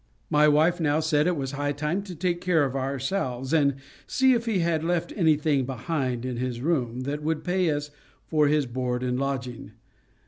My wife now said it was high time to take care of ourselves, and see if he had left anything behind in his room, that would pay us for his board and lodging.